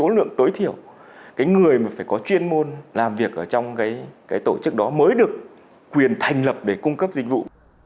số lượng tối thiểu cái người mà phải có chuyên môn làm việc ở trong cái tổ chức đó mới được quyền thành lập để cung cấp dịch vụ